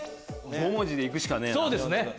５文字で行くしかねえな。